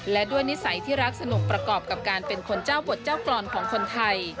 และด้วยนิสัยที่รักสนุกประกอบกับการเป็นคนเจ้าบทเจ้ากรอนของคนไทย